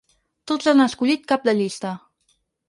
Tots han escollit cap de llista.